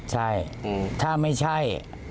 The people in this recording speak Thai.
ใช่ถ้าไม่ใช่